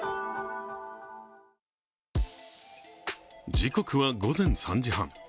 時刻は午前３時半。